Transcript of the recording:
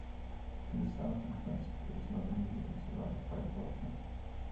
To the south and west it is not immediately surrounded by development.